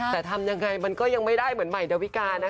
แต่ทำยังไงมันก็ยังไม่ได้เหมือนใหม่ดาวิกานะคะ